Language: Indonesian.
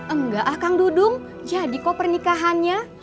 enggak kang dudung jadi kok pernikahannya